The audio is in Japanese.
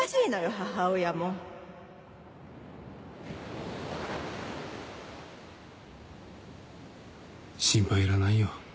母親も心配いらないよ